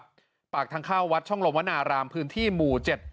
สุขก็พยาบาลภาทพลิกปากทางเคราะห์วัดช่องรมวนารามพื้นที่หมู่เจ็ด